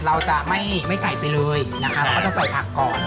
เราจะไม่ใส่ไปเลยนะคะเราก็จะใส่ผักก่อน